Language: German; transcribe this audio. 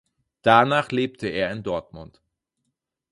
Danach lebte er in Dortmund.